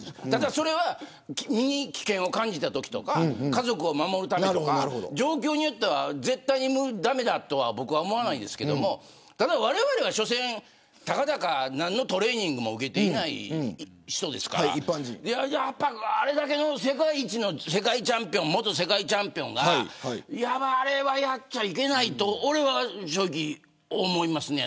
それは身に危険を感じたときとか家族を守るためとか状況によっては絶対に駄目だとは僕は思わないですけどもただ、われわれはしょせん、たかだか何のトレーニングも受けていない人ですからやっぱりあれだけの世界一の元世界チャンピオンがあれはやっちゃいけないと俺は正直思いますね。